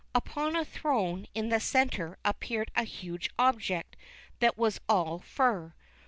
Upon a throne in the centre appeared a huge object that was all fur.